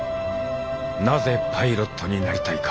なぜパイロットになりたいか。